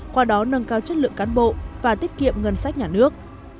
qua đó nâng cao chất lượng cán bộ và tiết kiệm ngân sách nhà nước